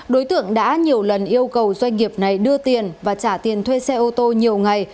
đối tượng đã nhiều lần yêu cầu doanh nghiệp này đưa tiền và trả tiền thuê xe ô tô nhiều ngày